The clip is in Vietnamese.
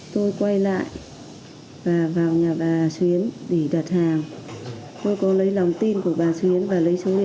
tôi quay lại và vào nhà bà